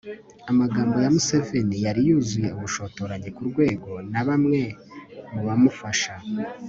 amagambo ya museveni yari yuzuye ubushotoranyi ku rwego na bamwe mu bamufasha